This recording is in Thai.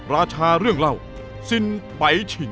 ราชาเรื่องเล่าสินไปชิง